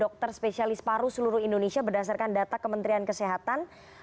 dokter spesialis paru seluruh indonesia berdasarkan data kementerian kesehatan